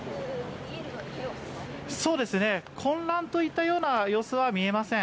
混乱といったような様子は見えません。